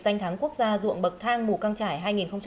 danh thắng quốc gia dụng bậc thang mù căng trải hai nghìn một mươi sáu